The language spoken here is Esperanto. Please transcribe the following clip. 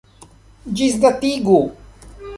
Ĝisdatigu!